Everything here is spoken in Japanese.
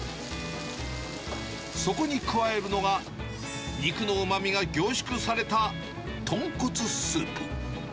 そこに加えるのが肉のうまみが凝縮された豚骨スープ。